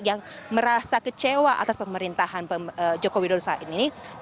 yang merasa kecewa atas pemerintahan joko widodo saat ini